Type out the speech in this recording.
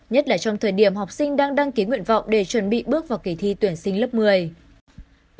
nhất là trong thời điểm học sinh đang đăng ký nguyện vọng để chuẩn bị bước vào kỳ thi tuyển sinh lớp một mươi